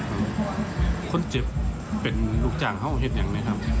อืมคนเจ็บเป็นลูกจ้างเขาเสมือนยังไงครับ